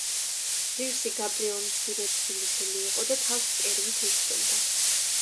ღირსი გაბრიელ მცირე თბილისელი იყო და თავს კერვით ირჩენდა.